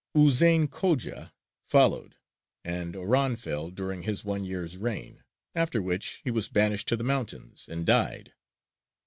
Uzeyn Khōja followed, and Oran fell during his one year's reign, after which he was banished to the mountains, and died.